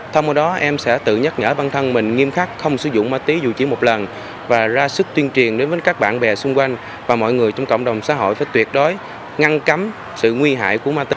thông qua đó em sẽ tự nhắc nhở bản thân mình nghiêm khắc không sử dụng ma túy dù chỉ một lần và ra sức tuyên truyền đến các bạn bè xung quanh và mọi người trong cộng đồng xã hội phải tuyệt đối ngăn cấm sự nguy hại của ma túy